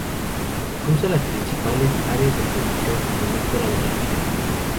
Cruza las principales áreas de producción vinícola de la región.